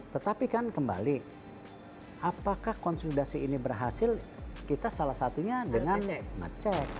tetapi kan kembali apakah konsolidasi ini berhasil kita salah satunya dengan ngecek